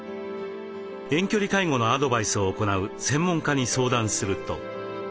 遠距離介護のアドバイスを行う専門家に相談すると。